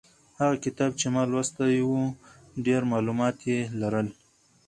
هغه کتاب چې ما لوستی و ډېر معلومات یې لرل.